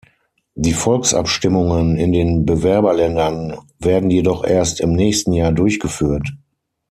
Die Volksabstimmungen in den Bewerberländern werden jedoch erst im nächsten Jahr durchgeführt.